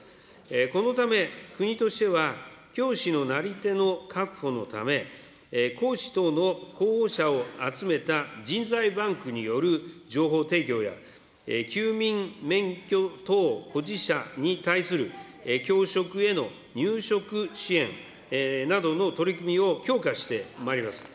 このため、国としては教師のなり手の確保のため、講師等の候補者を集めた人材バンクによる情報提供や、休眠免許等保持者に対する教職への入職支援などの取り組みを強化してまいります。